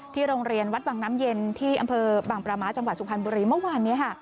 โรงเรียนวัดวังน้ำเย็นที่อำเภอบางประม้าจังหวัดสุพรรณบุรีเมื่อวานนี้